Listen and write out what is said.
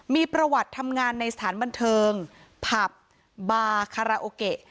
มีประวัติทำงานในสถานบันเทิงผับบาคาราโอเกะ